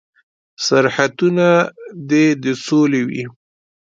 سرحدونه دې د سولې وي.